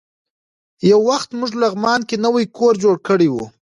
یو وخت موږ لغمان کې نوی کور جوړ کړی و.